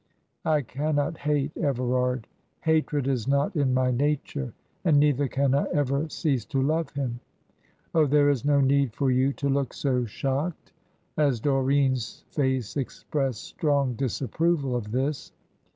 I cannot hate Everard hatred is not in my nature and neither can I ever cease to love him. Oh, there is no need for you to look so shocked" as Doreen's face expressed strong disapproval of this.